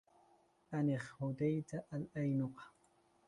أنخ هديت الاينقا